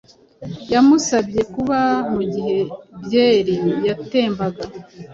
Yamusabye kuba mugihe byeri yatembaga